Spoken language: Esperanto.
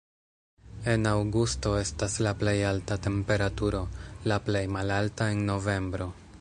En aŭgusto estas la plej alta temperaturo, la plej malalta en novembro.